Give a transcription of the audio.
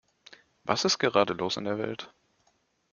Was ist gerade los in der Welt?